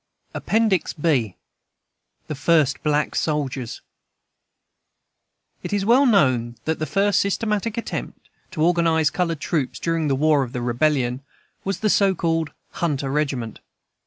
Appendix B The First Black Soldiers It is well known that the first systematic attempt to organize colored troops during the war of the rebellion was the so called "Hunter Regiment."